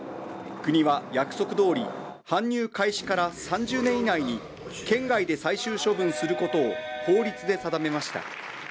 国は約束どおり、搬入開始から３０年以内に県外で最終処分することを法律で定めました。